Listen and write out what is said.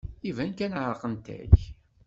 Iban kan ɛerqent-ak.